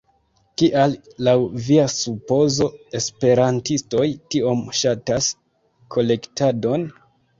Kial, laŭ via supozo, esperantistoj tiom ŝatas kolektadon?